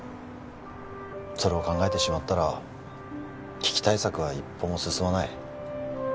それを考えてしまったら危機対策は一歩も進まない